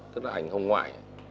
tức là ảnh hồng ngoại